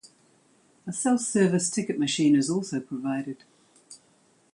A self-service ticket machine is also provided.